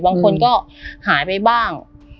บางคนก็หายไปบ้าง